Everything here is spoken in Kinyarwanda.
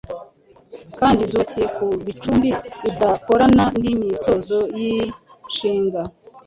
kandi zubakiye ku bicumbi bidakorana n’imisozo y’inshinga.